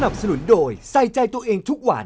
สนุนโดยใส่ใจตัวเองทุกวัน